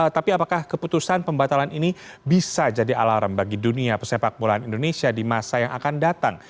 tapi apakah keputusan pembatalan ini bisa jadi alarm bagi dunia persepak bolaan indonesia di masa yang akan datang